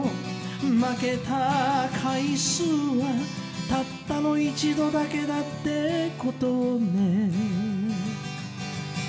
「負けた回数はたったの一度だけだって事をね」